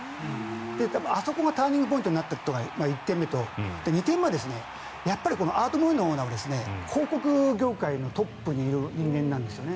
あそこがターニングポイントになっているのが１点目と２点目はアート・モレノオーナーは広告業界のトップにいる人間なんですよね。